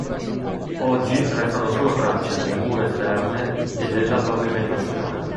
Oggi restano solo tracce delle mura esterne e della pavimentazione.